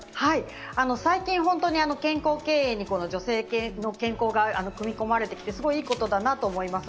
最近、本当に企業経営に女性の健康が組み込まれてきてすごいいいことだなと思います。